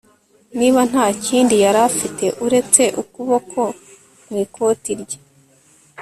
niba nta kindi yari afite uretse ukuboko mu ikoti rye